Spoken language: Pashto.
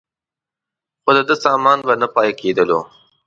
خو دده سامان به نه پاکېدلو.